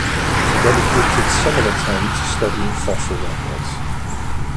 He dedicated some of the time to studying fossil records.